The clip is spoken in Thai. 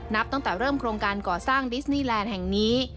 นับตั้งแต่เริ่มโครงการก่อสร้างดิสนีแลนด์แห่งนี้